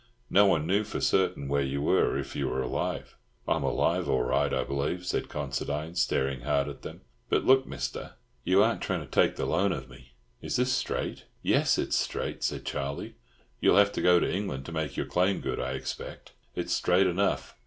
No one knew for certain where you were, or if you were alive." "I'm alive all right, I believe," said Considine, staring hard at them. "But look, Mister—you aren't trying to take the loan of me? Is this straight?" "Yes, it's straight," said Charlie. "You'll have to go to England to make your claim good, I expect. It's straight enough.